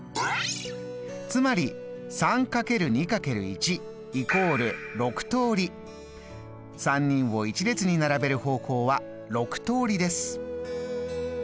つまり３人を一列に並べる方法は６通りです。